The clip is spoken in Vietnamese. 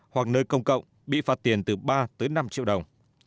hoặc nơi công cộng bị phạt tiền từ ba tới năm triệu đồng